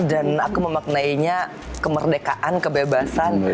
dan aku memaknainya kemerdekaan kebebasan